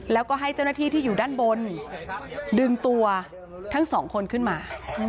แล้วก็ให้เจ้าหน้าที่ที่อยู่ด้านบนดึงตัวทั้งสองคนขึ้นมา